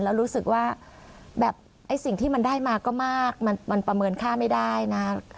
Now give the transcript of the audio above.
แล้วรู้สึกว่าแบบไอ้สิ่งที่มันได้มาก็มากมันประเมินค่าไม่ได้นะ